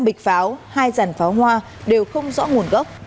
một bịch pháo hai dàn pháo hoa đều không rõ nguồn gốc